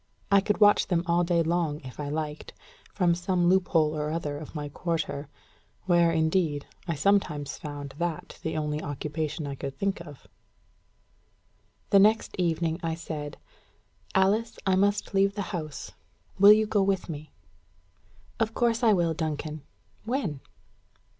I could watch them all day long, if I liked, from some loophole or other of my quarter; where, indeed, I sometimes found that the only occupation I could think of. The next evening I said, "Alice, I must leave the house: will you go with me?" "Of course I will, Duncan. When?"